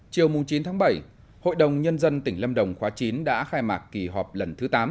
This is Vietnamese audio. chiều chín bảy hội đồng nhân dân tỉnh lâm đồng khóa chín đã khai mạc kỳ họp lần thứ tám